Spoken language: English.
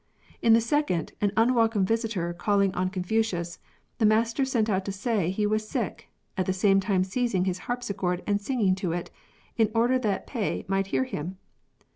In the second, an unwelcome visitor calliug on Confu cius, the Master sent out to say he was sick, at the same time seizing his harpsichord and singing to it, " in order that Pei might hear him."